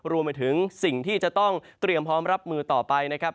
รวมไปถึงสิ่งที่จะต้องเตรียมพร้อมรับมือต่อไปนะครับ